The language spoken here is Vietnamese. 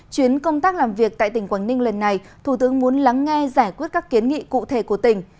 chuyến công tác làm việc tại tỉnh quảng ninh lần này thủ tướng muốn lắng nghe giải quyết các kiến nghị cụ thể của tỉnh